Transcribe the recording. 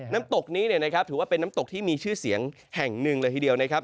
น้ำตกนี้เนี่ยนะครับถือว่าเป็นน้ำตกที่มีชื่อเสียงแห่งหนึ่งเลยทีเดียวนะครับ